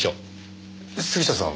杉下さん